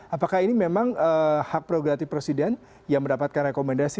apakah ini memang hak prerogatif presiden yang mendapatkan rekomendasi